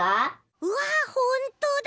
うわっほんとだ！